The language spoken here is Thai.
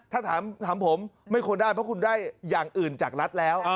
ถ้าถามผมไม่ควรได้เพราะคุณได้อย่างอื่นจากรัฐแล้ว